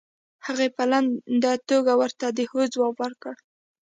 هغې په لنډه توګه ورته د هو ځواب ورکړ.